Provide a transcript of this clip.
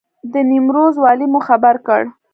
د نیمروز والي مو خبر کړ.